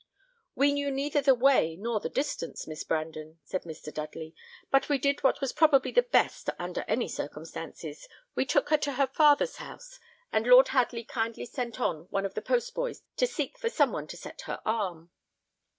"We knew neither the way nor the distance, Miss Brandon," said Mr. Dudley; "but we did what was probably the best under any circumstances. We took her to her father's house, and Lord Hadley kindly sent on one of the post boys to seek for some one to set her arm."